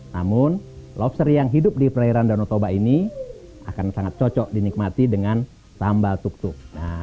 namun lobster yang hidup di perairan danau toba ini akan sangat cocok dinikmati dengan sambal tuk tuk